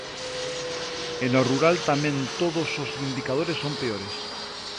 E no rural tamén todos os indicadores son peores.